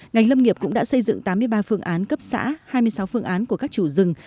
ngành lâm nghiệp cũng đã xây dựng tám mươi ba phương án cấp xã hai mươi sáu phương án của các chủ rừng